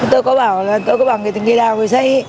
tôi có bảo là tôi có bảo người tự nhiên đào phải xây